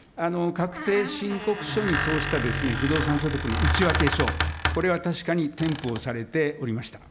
確定申告書にそうしたですね、不動産所得の内訳書、これは確かに添付をされておりました。